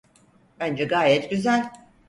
Bence gayet güzel.